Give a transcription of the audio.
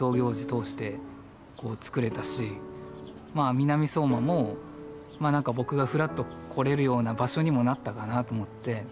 南相馬もなんか僕がふらっと来れるような場所にもなったかなと思って。